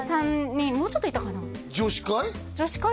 ３人もうちょっといたかな女子会？